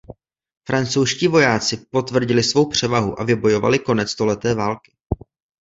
Francouzští vojáci potvrdili svou převahu a vybojovali konec stoleté války.